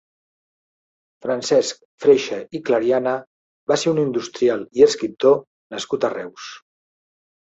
Francesc Freixa i Clariana va ser un industrial i escriptor nascut a Reus.